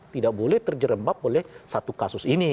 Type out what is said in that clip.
tidak boleh terjerembab oleh satu kasus ini